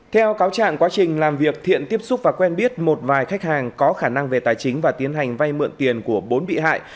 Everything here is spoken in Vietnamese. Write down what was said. theo cáo trạng quá trình làm việc thiện tiếp xúc và quen biết một vài khách hàng có khả năng về tài chính và tiến hành vay mượn tiền của bốn bị hại